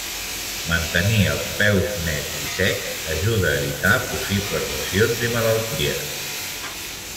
Mantenir els peus nets i secs ajuda a evitar possibles lesions i malalties.